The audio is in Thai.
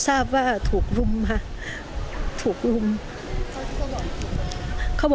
สวัสดีครับ